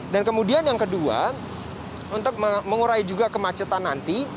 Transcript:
dan kemudian yang kedua untuk mengurai juga kemacetan nanti